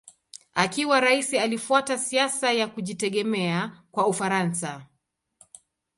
Akiwa rais alifuata siasa ya kujitegemea kwa Ufaransa.